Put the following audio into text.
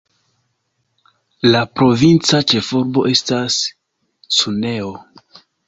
La provinca ĉefurbo estas Cuneo.